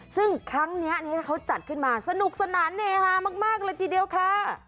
ซึ่งครั้งนี้เขาจัดขึ้นมาสนุกสนานเฮฮามากเลยทีเดียวค่ะ